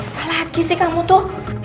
apa lagi sih kamu itu